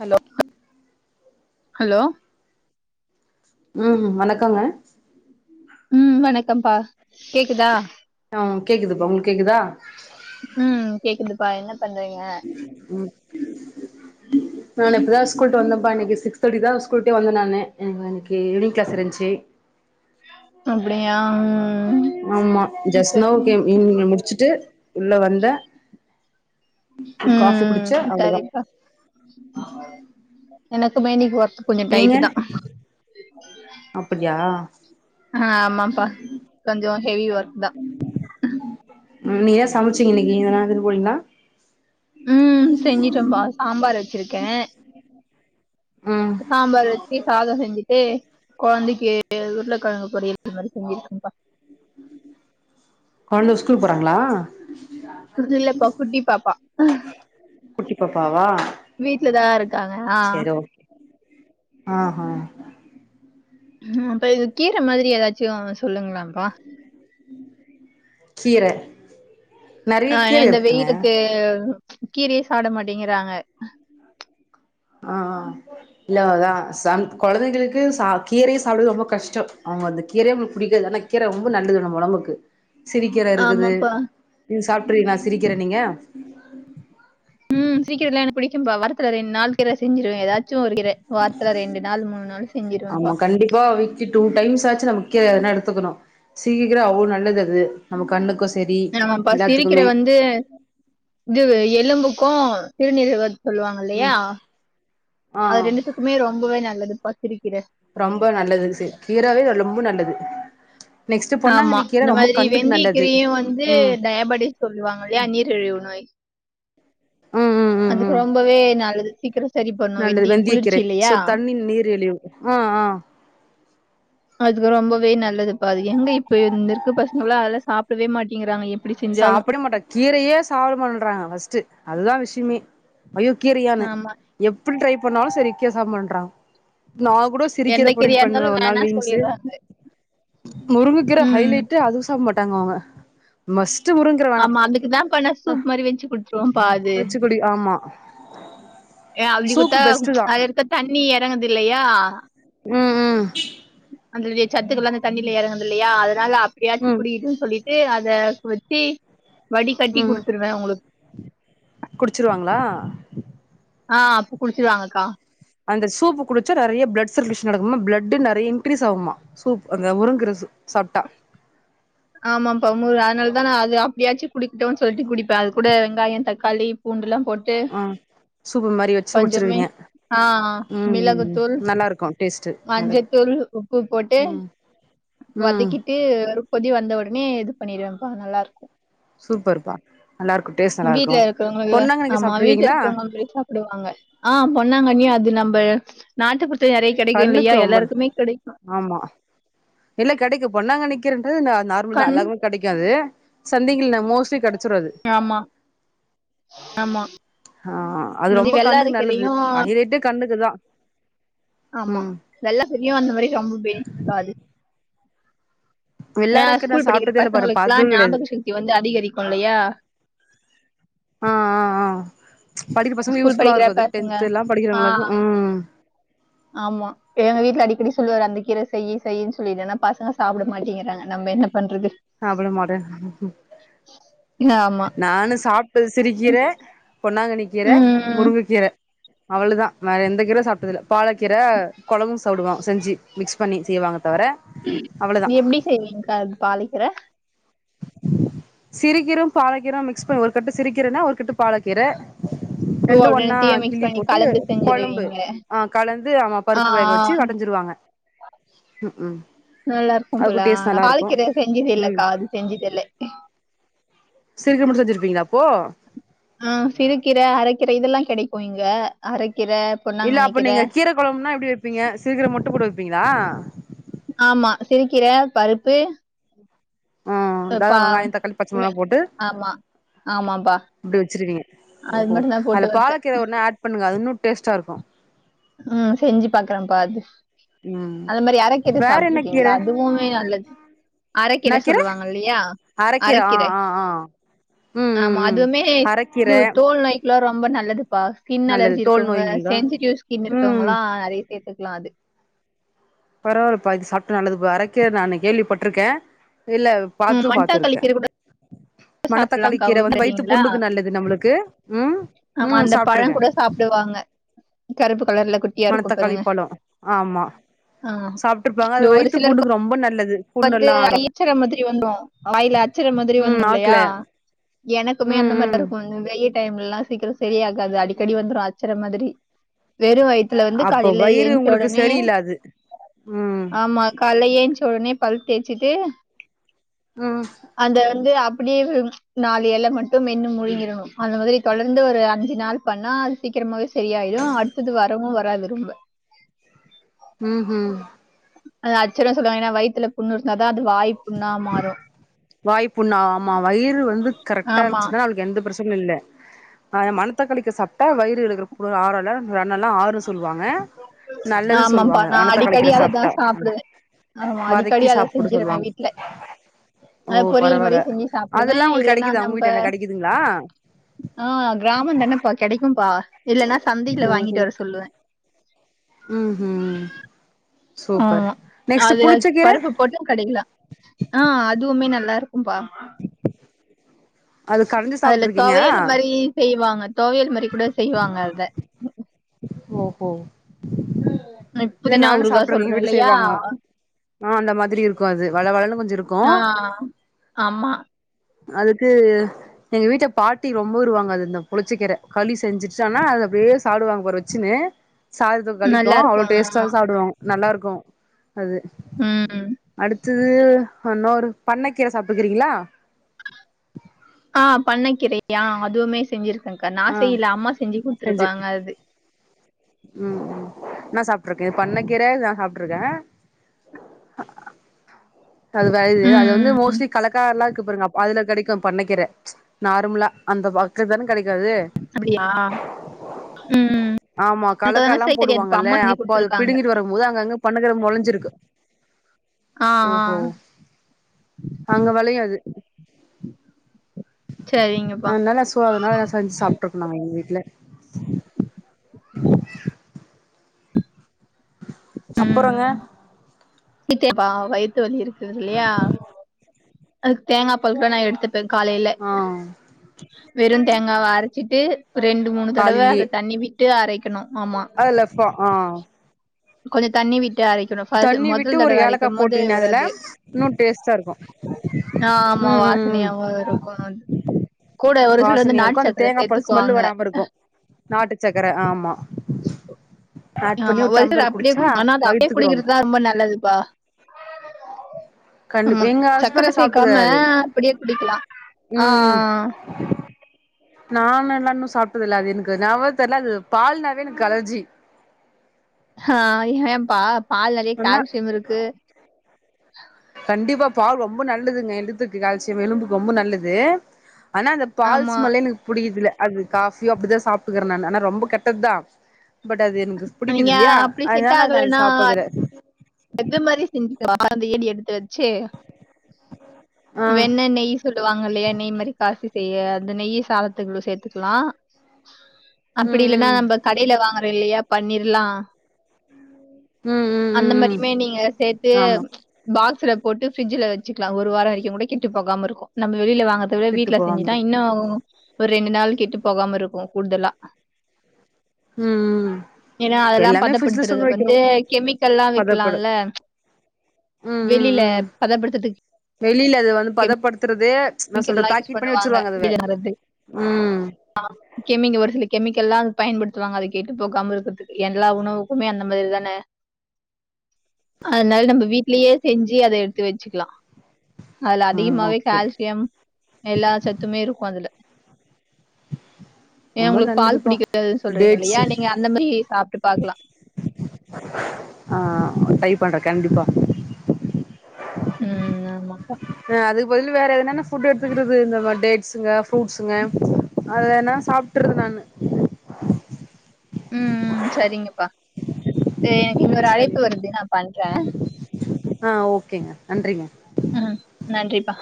Hello hello ம் வணக்கங்க ம் வணக்கம்பா கேக்குதா ஆ கேக்குதுப்பா உங்களுக்கு கேக்குதா ம் கேக்குதுப்பா என்ன பண்றீங்க ம் நான் இப்பத ஸ்கூல்யிட்டு வந்தப்ப இன்னை சிக்ஸ் தேர்டி தா ஸ்கூல்விட்டு வந்த நானு எனக்கு ஈவினி் கிளாஸ் இருந்துச்சி அப்டியா ம் ஆமா ஜஸ்ட் சரி நவ் கேம் ஈவினிங் ல முடிச்சுட்டு உள்ள வந்த ம் ம் ம் செரிப்பா எனக்கு பெண்டிங் ஒர்க் கொஞ்சோ நீங்க டையிட்டுத அப்டியா ஆ ஆமாப்பா கொஞ்சோ ஹெவி ஒர்க் தா ம் இனைக்கி என்ன சமச்சீங்க இனைக்கி என்னாது எடுத்துட்டு போனீங்களா ம் செஞ்சுட்டோம்ப்பா சாம்பார் வச்சிருக்கே ம் சாம்பார் வச்சு சாதம் செஞ்சுட்டு கொழந்தைக்கு உருள கிழங்கு பொரியல் இது மாதிரி செஞ்சிருக்கப்பா கொழந்த ஸ்கூல் போறாங்களா இல்லப்பா குட்டி பாப்பா குட்டி வீட்லதா இருக் செரி ஓகே ஆ ஆ ம் அப்ப இது கீர மாதிரி ஏதாச்சி சொல்லுங்களாப்பா கீர நெறைய ஆ ஏ கீர இந்த இருக்குதுங்க வெயிலுக்கு ம்ச் கீரையே சாப்ட மாட்டிங்கிறாங்க ஆ ஆ ஆ இல்ல அவ்ளோதா சந் கொழந்தைங்களுக்கு சா கீரையை சாப்புடுறது ரொம்ப கஷ்டோ அவுங்க அந்த கீரைய புடிக்காது ஆனா கீரா ரொம்ப நல்லது நம்ம ஒடம்புக்கு சிறி கீர இருக்குது ஆமாப்பா. நீங்க சாப்டிருக்கீங்களா சிறி கீர நீங்க ம் சிறி கீர எனக்கு புடிக்கும்ப்பா வாரத்துல ரெண்டு நாள் கீர செஞ்சிருவே ஏதாச்சும் ஒரு கீர வாரத்தல ரெண்டு நாள் மூணு நாள் ஆமா செஞ்சிருவப்பா கண்டிப்பா வீக் லி டு டைம்ஸ் ஆச்சி நம்ம கீ எதனா எடுத்துக்கனு சீக்கிரோ அவ்ளோ நல்லது அது நம கண்ணுக்கு செ ஆமாப்பா சிரிக்கீர வந்து இது எலும்புக்கோ சிறுநீரகத் சொல்லுவாங்க இல்லையா ம் ஆ அது ரெண்டுத்துக்குமே ரொம்பவே நல்லது பா சிறுகீர ரொம்ப நல்லது ச கீராவே ரொம்ப நல்லது நெக்ஸ்ட் ஆமா பொன்னாங்கண்ணி கீர அந்த ரொம்ப மாதிரி கண்ணுக்கு வெந்தய நல்லது கீரையு வந்து ம் டயபட்டிஸ் சொல்லுவாங்க இல்லையா நீரிழிவு நோய் ம் ம் ம் அதுக்கு ம் ரொம்பவே நல்லது சீக்கிரோ சரி பண்ணு நல்லது வெந்தயம் குளிர்ச்சு வெந்தயக்கீரை சோ இல்லையா தண்ணி நீரிழிவு ஆ ஆ அதுக்கு ரொம்பவே நல்லதுப்பா அது எங்க இப்ப இந்த இருக்க பசங்களா அதெல்லா சாப்டவே மாட்டிக்கிறாங்க சாப்டவே மாட்ட கீரையே சாப்ட மாட்றாங்க ஃபர்ஸ்ட்டு அதுதா விஷ்யமே ஐயோ கீரையானு ஆமா. எப்டி ட்ரை பண்ணாலு செரி கீர சாப்ட மாற்றங்க நா கூட சிறுகீர எந்த கீரையா பொரியல் பண்ணுவ இருந்தாலும் ஒரு நாள் வேணாம் வீங்ஸ்சு சொல்லிடுறாங்க. முருங்கக்கிர ம். ஹைலைட்டு அது சாப் மாட் தங்குவாங்க மஸ்ட்டு முருங்க ஆமா அதுக்கு தா பண்ண சூப் மாரி வெச்சு குடுத்துருவோம் பா அது வச்சுக்குடி ஆமா அப்டி சூப்பு குடுத்தா பெஸ்ட்டு தா அது எடுத்த தண்ணி இறங்குது இல்லையா ம் ம் அதனுடைய சத்துக்கள் லா அந்த தண்ணியில இறங்குது இல்லையா அதனால அப்டியாச்சு ம் குடிகிட்டுன் சொல்லிட் அத வச்சு வடி கட்டி குடுத்துருவ அவுங்களுக் குடிச்சுருவாங்ளா ஆ அப்ப குடிச்சுருவாங்கக்கா அந்த சூப்பு குடிச்சா நறைய பிளட்சர்குலேஷன் நடக்குமா பிளாட் நறைய இன்கிரீஸ் ஆகுமா சூப் அந்த முருங்கீர சூப் சாப்ட்டா ஆமாப்பா மு அதனாலதா நா அது அப்டியாச்சு குடிக்ட்டுன் சொல்ட்டு குடிப்ப அது கூட வெங்காயம் தக்காளி பூண்டு எல்லா போட் ஆ சூப்பு மாரி வச்சு குடிச்சுருவீங்க ஆ ம் ம் மிளகுத்தூள், நல்லா இருக்கு டேஸ்ட்டு நல்ல மஞ்சத்தூள், உப்பு ம் ம் ட்டு ஒரு கொதி வந்த உடனே இது பண்ணிருவேன்ம்பா நல்லா இருக்கு சூப்பர்ப்பா நல்லா இருக்கு டேஸ்ட் நல்லா வீட்ல இருக்கு இருக்கறவுங்களுக்கு பொன்னாங்கண்ணிக்கா ஆமா வீட்ல சாப்ட்ருக்கீங்களா இருக்கறவுங்களுக் சாப் டுவாங்க ஆ பொன்னாங்கன்னியு அது நம்ப நாட்டு குறுத்து நெறைய கடைக்கு இல்லையா கண்ணுக்கு ரொம்ப எல்லாருக்குமே கடைக்கு ஆமா இல்ல கடைக்கு பொண்ணாங்கன்னி கீரன்றது நார்மல் தா கண் எல்லா கடைக்காது சந்தைங்கல் மோஸ்ட்லி கட ஆமா ஆமா ஆ அது அந்த மாரி ரொம்ப கண்ணுக்கு நல்லது வெள்ளாரக்கீரையும் ஹைலேட்டே கண்ணுக்குதா ஆமா வெள்ள பெரியு அந்த மாரி ரொம்ப பெனிஃபிட் தா அது ஆ வெள்ளாரக்கு நா ஸ்கூல் படிக்கிற சாப்ட்டதே இல்ல பாரு பசங்களுக்லா பாத்தது கெடையாது ஞாபக சக்தி வந்து அதிகரிக்கு இல்லையா ஆ ஆ ஆ படிக்க பசங்க யூஸ் ஸ்கூல் ஃபுல்லா படிக்கிற இருக்கு அது பசங்க டென்த் எல்லா படிக்கிறவுங்களுக்கு ஆ ம் ஆமா எங்க வீட்ல அடிக்கடி சொல்லுவாரு அந்த கீர செய் செய்யின்னு சொல்லிட்டு ஆன பசங்க சாப்பட மாட்டேங்கிறாங்க நம்ம என்ன பண்றது சாப்ட மாட் [inaudible] ஆமா நானு சாப்ட்டது சிறு கீர பொன்னாங்கன்னி கீர உம் முருங்க கீர அவ்ளுதா வேற எந்த கீர சாப்பிட்டதில்ல பாலக்கீர கொழம்பு சாப்டுவ செஞ்சி மிக்ஸ் பண்ணி செய்வாங்க தவர அவ்ளதா நீ எப்டி செய்வீங்க்கா பாலக்கீர சிறுகீரு பாலக்கீரு மிக்ஸ் பண்ணி ஒரு கட்டு சிறுக்கீரனா ஒரு கட்டு பாலக்கீர ஓ ரெண்டு அப்படி ஒன்னா நெத்திய மிக்ஸ் கிள்ளி பண்ணி போட்டு கலந்து கொழம்பு செஞ்சிருவீங்க அ கலந்து ஆமா ஆ பருப்பு ஆ, வேக வச்சு கடைஞ்சிருவாங்க ம் ம் நல்லா இருக்கு போல அதுக்கு டேஸ்ட் நா நல்லா இருக்கு பாலக்கீர ம் செஞ்சததில்லக்கா அது செஞ்சதில்ல சிறுகீரமட்டு செஞ்சிருப்பீங்ளாப்போ ஆ சிறுகீர அரைக்கீர இதுல கெடைக்கு இங்க அரைக்கீர இல்ல அப்ப நீங்க கீர குழம்னா எப்டி வெப்பீங்க சிறுகீர மட்டு போட்டு வெப்பீங்ளா ஆமா சிறுக்கீர பருப்பு ஆ இத அஹ் பா- வெங்காய தக்காளி பச்சமுலவா மெ- போட்டு ஆமா ஆமாப்பா அப்டி வச்சிருக்கீங்க அது ஓஹோ மட்டும் தான் அதுல போட்டு பால வைப்பேன் கீர ஒர்னா ஆட் பண்ணுங்க அதுவுன்னு டேஸ்டா இருக்கு ம் செஞ்சு பாக்றேப்பா அத் ம் அதமேரி அரக்கீர வேற என்ன கீர சாப்ட்ருக்கீங்ளா அதுவு மே நல்லது அரக்கீர என்னா கீர சொல்லுவாங்கல்லையா அரக்கீர ஆ அரைக்கீர ஆ ஆ ம் ம் ஆமா ம் அதுவுமே அரக்கீர இது தோல் நோய்க்கிலா ரொம்ப நல்லதுப்பா ஸ்கின் நல்லது அலர்ஜி தோல் இருக்கவுங்க நோய்ங்களுக்கா சென்சிட்டிவ் ஸ்கின் ம் இருக்கவுங்கலா நறிய சேத்துக்லா அது பரவால்ப்பா இது சாப்டா நல்லதுபா அரைக்கீர நானு கேள்விப்பட்ருக்கே இல்ல பாத்து பாத்துருக்கே ப்ப மணத்தக்காளி சாப்லாம்கா கீர அவுங்ளுக் வந்து வயித்து தெருவீங்ளா புண்ணுக்கு நல்லது நம்மளுக்கு ம் ஆமா ம் அந்த சாப்ட்ருக்கே பழங் கூட சாப்புடுவாங்க கருப்பு கலர்ல குட் மணத்தக்காளிப்பழ ஆமா ஆ சாப்ட்ருப்பாங்க அது ஒரு வயித்து சிலருக்கு புண்ணுக்கு ரொம்ப நல்லது வந்து புண்ணெல்லா ஆறு கை எச்சர மாதிரி வந்ரோ வாயில அச்சற மாதிரி ம் வந்துரு நாக்குல இல்லையா எனக்குமே ம் அந்த மார்தா ம் இருக்கு அந்த வெயில் டைமில்லா சீக்கிர செரியாகாது அடிக்கடி வந்துரு அச்சற மாதிரி வெறு வய்த் இதுல வந்து அப்போ காலையில வயிறு ஏஞ்ச உங்களுக்கு ஒடனே சரியில்ல அது ம் ஆமா கால்ல ஏஞ்ச்ச ஒடனே பல் தேச்சிட்டு ம் அந்த வந்து அப் பிடியே வு நாலு ஏல மட்டு மென்னு முழுங்கிருவ அந்த மாதிரி தொடர்ந்து ஒரு அஞ்சு நாள் பண்ணா சீக்கிரமாவே செரியாய்ரு அடுத்துது வரவு வராது ரொம்ப ம் ம் அது அச்சர சொல்லுவாங்க ஏனா வயித்துல புண்ணுர்ந்தாதா அது வாய் புண்ணா மாறு வாய் புண்ணா ஆமா வயிறு வந்து கரெட்டா ஆமா இருசுன்னா அதுக்கு எந்த பிரச் புண் இல்ல அ எ மண்த்தக்காளிக்கா சாப்டா வயிறு இருகிற இப்ப ஒரு ஆறல்லா ரனலா ஆறுன் சொல்வாங்க நல்லது ஆமாப்பா சொல்வாங்க நா மணத்தக்காளி அடிக்கடி கீர அததா சாப்டா சாப்பிடுவே ஆமா வதக்கி அடிக்கடி அத சாப்புட செஞ்சிருவே சொல்லுவாங் வீட்ல அத ஓ பொரியல் மாரி பரவால்ல செஞ்சு சாப்பிடுவே அதுலா உங்ளுக் இல்லன்னா கெடைக்குத உங்க நம்ப வீட்டான்ட கெடைக்குதுங்ளா ஆ கிராமந்தனப்பா கெடைக்கும்பா இல்லனா சந்தைல வாங்கிட்டு வர சொல்லுவே ம் ம் சூப்பர் ஆமா நெக்ஸ்ட்டு அத்லயாத் புளிச்சக்கீர பருப்பு போட்டு கெடைக்லா ஆ அதுவுமே நல்லா இருக்கும்பா அது கடைஞ்சு அதுல சாப்ட்ருக்கீங்க தொவையல் மாரி செய்வாங்க தோவயல் மரி கூட செய்வாங்க அத ஓஹ புதினா ஊறுகா சொல்றே இல்லயா ஆஹ் அந்த மாதிரி இருக்கு அது வள வளன்னு கொஞ்சோ இருக்கு ஆ ஆமா அதுக்கு எங்க வீட்ல பாட்டி ரொம்ப வருவாங்க அது இந்த புளிச்சக்கீரை களி செஞ்சுட்டு ஆனா அப்டியே சாப்டு வாங்க னு சாதத்துக்கு கழிக்கு அவ்வளோ நல்லாருக்கும். ஆமா. டேஸ்டாக சாப்டுவாங்க நல்லா இருக்கு அது ம் அடுத்தது இன்னொரு பண்ணக்கீரை சாப்ருக்கீங்களா ஆ பண்ண கீரயா அதுவுமே செஞ்சிருக்கே கா நா ஆ செய்ல அம்மா செஞ்சு கொடுத்துருக்காங்க அது ம் ம் நா சாப்ட்ருக்கே பண்ண கீரை இது நா சாப்ட்ருக்கே அது வருது அது ம், வந்து ம். மோஸ்லி கலக்கார எலா இருக்கு பாருங்க அப் அதுல கிடைக்கு பண்ணக்கீர நார்மலா அந்த பக்கல தானே கிடைக்காது அப்படியா ம். ஆமா எனக்கு கலக்க அதெல்லாம் எல்லா செய்ய தெரியாதுப்பா. போடுவாங்கல்ல அம்மா செஞ்சு அப்போ அது குடுத்துருக்காங்க. பிடுங்கிட்டு வர போ அங்க அங்க பண்ண கிர முளைஞ்சிருக்கு ஆ, ஆ. ஓஹோ அங்க விளையு அது சரிங்கப்பா. அதனால சோ அதனால செஞ்சு சாப்பிட்டு இருந்தாங்க எங்க வீட்டுல [inaudible] அப்பறங்க சீத்தேப்பா வயித்து வலி இருக்குது இல்லயா அதுக்கு தேங்காய் பால் தானே எடுத்துட்டு [unintelligible] காலையில ஆ வெறு தேங்காவ அரைச்சிட்டு ரெண்டு மூணு தடவ காலைலயே அத தண்ணி விட்டு அரைக்கணு ஆமா பா ஆஹ் கொஞ்சோ தண்ணி விட்டு அரை [unintelligible] தண்ணி விட்டு மொதல் ஒரு தடவ அரைக்கு ஏலக்கா போது போட்டீன்னா அதுல வராது இன்னு டேஸ்ட்டா இருக்கு ஆஹ் ஆமா ம் ம் ம் வாசனையாவவு இருக்கு கூட ஒரு சிலர் வந்து வாசனையா இருக்கு நாட்டு அந்த சக்கரை தேங்காப்பால் ஸ்மெல்லு சேர்த்துக்குவாங்க வராம இருக்கு நாட்டு சக்கர ஆமா ஆட் பண்ணி ஆமா ஒரு சில டம்ளர் அப்டியே குடிச்சா குடிக்கு ஆனா அ அப்படியே வயித்துக்கு குடிக்கிறதுதா ரொம்ப நல்லதுப்பா [unintelligible] ஆமா கண்டிப்பா எங்க சக்கரை ஹஸ்பண்ட்லா சேக்காம சாப்ட்டுக்குறாரு அப்டியே குடிக்கலா ஆஹ் [inaudible] நானு எல்லா சாப்பிட்டதில்ல அது எனக்கு நாவ தெரல அது பால்னாவே எனக்கு அலர்ஜி ஹ ஏப்பா என்ன [inaudible] கண்டிப்பா பால் ரொம்ப நல்லதுங்க எழுத்துக்கு காலச்சிய எலும்புக்கு ரொம்ப நல்லது ஆனா அந்த பால் ஆமா ஸ்மெல்லே எனக்கு புடிக்குதுல்ல அது காஃபியே அப்படிதா சாப்பிட்டுக்கறே நா ஆனா ரொம்ப கெட்டதுதா பட் அது எனக்கு புடிக்குது நீங்க இல்லயா அப்டி அதனால அதா சாப்பரதுகிடயாது எந்த மாதிரி செஞ்சுக்கா அந்த ஏடி எடுத்து வச்சு ஆ வெண்ணெய் நெய் சொல்லுவாங்க இல்லயா நெய் மாரி காசி செய்ய அந்த நெய்ய சாதத்துக்கு சேர்த்துக்கலா அப்டி இல்லன்னா ம் நம்ம கடையில வாங்கறோ இல்லயா பண்ணிரலா ம் ம் ம் ம் சேர்த்து ஆமா பாக்ஸ்ல போட்டு ஃபிரிட்ஜல வச்சுக்கலா ஒரு வார வரைக்கு கூட கெட்டு போகாம இருக்கு நம்ம வெளில வாங்க அத விட கெட்டு வீட்ல போகாம செஞ்சுட்டா இருக்கு இன்னு ஒரு ரெண்டு நாள் கெட்டு போகாம இருக்கு கூடுதலா ம் ம் ஏனா இப்ப அதெல்லா எல்லாமே ஃபிரிட்ஜ்ல சுட பதப்படுத்துறதுக்கு வைக்கிறோ வந்து கெமிக்கல்லா வை பதப்படு க்கலால வெளில பதப்படுத்துறதுக்கு வெளில அது வந்து பதப்படுத்துறதே நா சொல்றே கெமிக்கல்லாம் யூஸ் பேக்கெட் பண்ணி பண்ணுவாங்க. வச்சிருவாங்க அதுவே ம் கெமிங் ஒரு சில கெமிக்கல்லா அது பயன்படுத்துவாங்க அத கெட்டு போகாம இருக்குறதுகு எல்லா உணவுக்குமே அந்த மாதிரி தான அதனால நம்ம வீட்லயே செஞ்சு அத எடுத்து வச்சுக்கலா அதுல ம் அதிகமாவே ஓகே கால்சி யம் எல்லா சத்துமே இருக்கு அதுல ஏன் ரொம்ப உங்களுக்கு பால் நல்லதுப்பா பிடிக்கா து சொல்றீங்கள இல்லையா டேட்ஸு நீங்க அந்த மாரி சாப்ட்டு பாக்கலா ஆ டை பண்றே கண்டிப்பா ம் ஆமா அஹ் அதுக்கு பதில வேற எதுனன்ன ஃபுட்டு எடுத்துக்கிறது இந்தமா டேட்ஸுங்க ஃப்ரூட்ஸுங்க அது ஏனா சாப்ட்டுறது நானு ம் ம் செரிங்கப்பா எ எனக்கு இன்னொரு சரி அழைப்பு வருது நா பண்றே ஆ ஓகேங்க நன்றிங்க ம் நன்றிப்பா